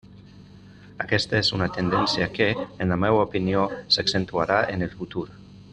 Aquesta és una tendència que, en la meva opinió, s'accentuarà en el futur.